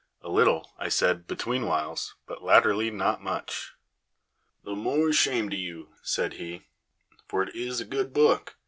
"A little," I said, "between whiles; but latterly not much." "The more shame to you," said he, "for it is a good book.